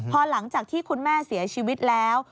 พอหลังจากที่คุณแม่เสียชีวิตแล้ว